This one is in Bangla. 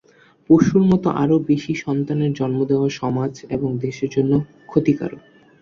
পশুর মতো আরও বেশি সন্তানের জন্ম দেওয়া সমাজ এবং দেশের জন্য ক্ষতিকারক।